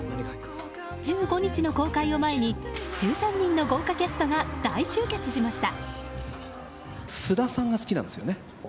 １５日の公開を前に、１３人の豪華キャストが大集結しました。